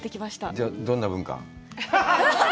じゃあどんな文化？